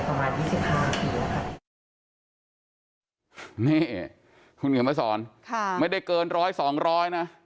ประมาณยี่สิบห้านาทีแล้วค่ะนี่คุณเขียนมาสอนค่ะไม่ได้เกินร้อยสองร้อยนะ